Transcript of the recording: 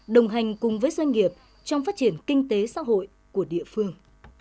đồng hành cùng với doanh nghiệp trong phát triển kinh tế xã hội của địa phương